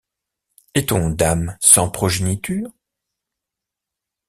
Est-on dame sans progéniture?